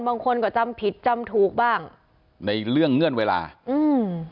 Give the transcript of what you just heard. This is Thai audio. บางคนก็จำผิดจำถูกบ้างในเรื่องเงื่อนเวลาอืม